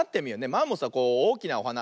マンモスはこうおおきなおはな。